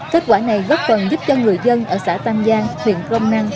kết quả này góp phần giúp cho người dân ở xã tam giang huyện crom năng